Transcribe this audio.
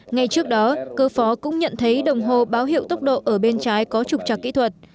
ngay trước đó cơ phó cũng nhận thấy đồng hồ báo hiệu tốc độ ở bên trái có trục trạc kỹ thuật